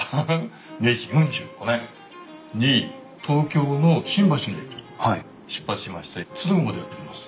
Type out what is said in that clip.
明治４５年に東京の新橋の駅出発しまして敦賀までやって来ます。